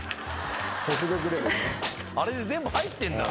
あれで全部入ってんだ。